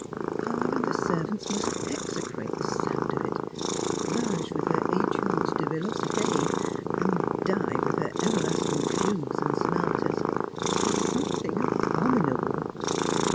Papa and the servants must execrate the sound of it: Blanche, with her etudes de velocite, and Di with her ever lasting fugues and sonatas— it's something abominable."